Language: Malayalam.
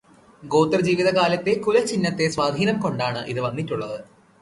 ഗോത്രജീവിതകാലത്തെ കുലചിഹ്നത്തിന്റെ സ്വാധീനം കൊണ്ടാണ് ഇത് വന്നിട്ടുള്ളത്.